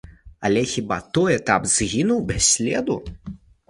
Але хіба той этап згінуў без следу?